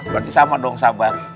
berarti sama dong sabar